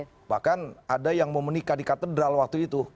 tapi bahkan ada yang mau menikah di katedral waktu itu